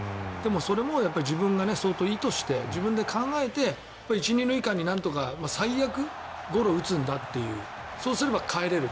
それも相当、意図して自分で考えて１・２塁間に最悪、ゴロを打つんだというそうすればかえれる。